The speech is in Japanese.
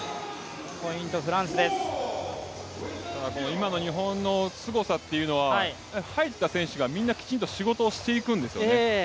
今の日本のすごさというのは入った選手がみんなきちんと仕事をしていくんですよね。